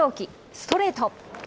ストレート。